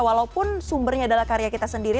walaupun sumbernya adalah karya kita sendiri